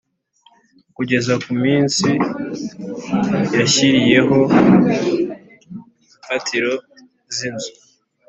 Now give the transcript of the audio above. kugeza ku munsi yashyiriyeho imfatiro z inzu